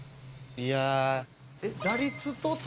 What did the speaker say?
いや。